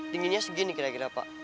dinginnya segini kira kira pak